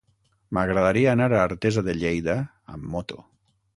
M'agradaria anar a Artesa de Lleida amb moto.